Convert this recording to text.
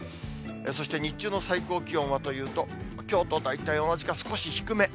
そして、日中の最高気温はというと、きょうと大体同じか少し低め。